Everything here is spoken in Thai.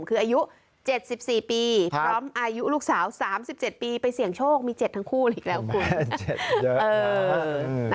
คืออายุ๗๔ปีพร้อมอายุลูกสาว๓๗ปีไปเสี่ยงโชคมี๗ทั้งคู่อีกแล้วคุณ